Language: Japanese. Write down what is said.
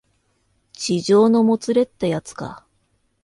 痴情のもつれってやつか